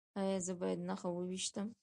ایا زه باید نښه وویشتم؟